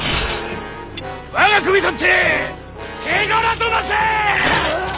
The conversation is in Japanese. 我が首取って手柄となせ！